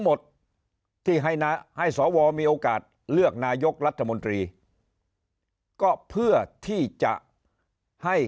หมดที่ให้สวมีโอกาสเลือกนายกรัฐมนตรีก็เพื่อที่จะให้